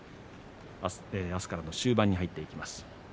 明日からの終盤に入っていきます。